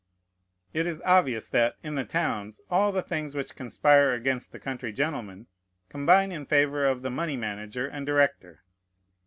It is obvious, that, in the towns, all the things which conspire against the country gentleman combine in favor of the money manager and director.